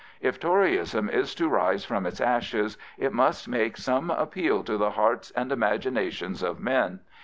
If Toryism is to rise from its ashes it must make some appeal to the hearts and imaginations of men.